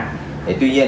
thì tuy nhiên